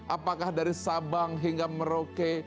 apakah dari sabang hingga merauke